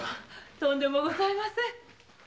とんでもございません。